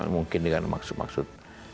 mungkin dengan maksud maksud